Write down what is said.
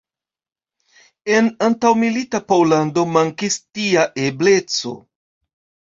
En antaŭmilita Pollando mankis tia ebleco.